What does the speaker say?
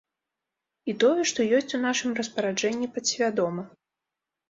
І тое, што ёсць у нашым распараджэнні падсвядома.